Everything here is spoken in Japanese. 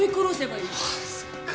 ああそっか。